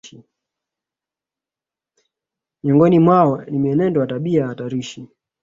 Miongoni mwao ni mienendo ya tabia hatarishi